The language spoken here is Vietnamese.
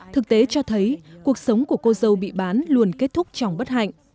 thực tế cho thấy cuộc sống của cô dâu bị bán luôn kết thúc trong bất hạnh